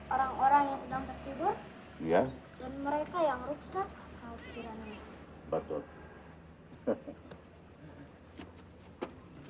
orang orang yang belum dewasa